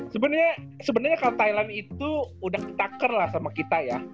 sebenarnya kalau thailand itu udah taker lah sama kita ya